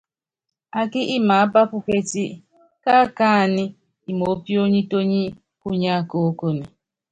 Ákí imaápa puekíti, káakánɛ́ imoópionítóní kunyá koókone.